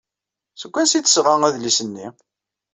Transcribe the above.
Seg wansi ay d-tesɣa adlis-nni?